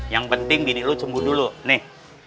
yang penting dini lo cemburu dulu nih